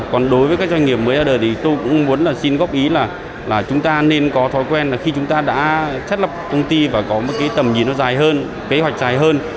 còn đối với các doanh nghiệp mới ra đời thì tôi cũng muốn xin góp ý là chúng ta nên có thói quen là khi chúng ta đã chát lập công ty và có một cái tầm nhìn nó dài hơn kế hoạch dài hơn